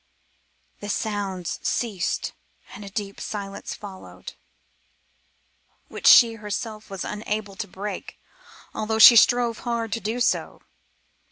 The sounds ceased and a deep silence followed, which she herself was unable to break although she strove hard to do so.